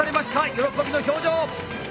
喜びの表情！